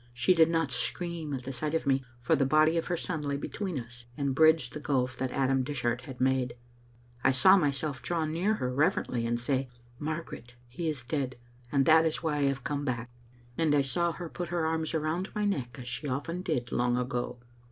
She did not scream at sight of me, for the body of her son lay between us, and bridged the gulf that Adam Dishart had made. I saw myself draw near her reverently and say, Margaret, he is dead, and that is why I have come back," and I saw her put her arms around my neck as she often did long ago.